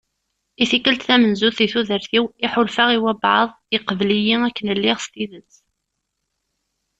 I tikkelt tamenzut deg tudert-iw i ḥulfaɣ i wabɛaḍ yeqbel-iyi akken lliɣ s tidet.